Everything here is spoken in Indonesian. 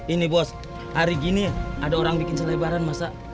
ini bos hari gini ada orang bikin selebaran masa